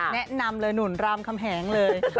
แนะนำเลยหนุ่นรามคำแหงเลย